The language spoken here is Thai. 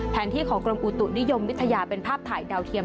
แทนที่ของกรมอุตุนิยมวิทยาเป็นภาพถ่ายดาวเทียม